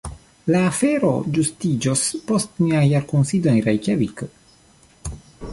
La afero ĝustiĝos post nia jarkunsido en Rejkjaviko.